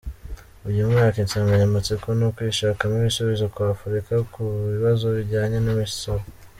Uyu mwaka insanganyamatsiko ni: “Kwishakamo ibisubizo kwa Afurika ku bibazo bijyanye n’imisoro”.